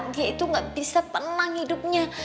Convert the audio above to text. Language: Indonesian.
dia itu gak bisa penang hidupnya